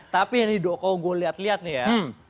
tapi ini dokoh gue liat liat nih ya